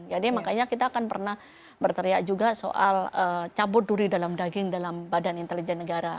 jadi makanya kita akan pernah berteriak juga soal cabut duri dalam daging dalam badan intelijen negara